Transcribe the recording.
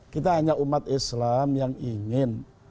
kita hanya umat islam yang ingin